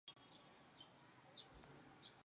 而尼布尔海姆事件也收录在游戏中。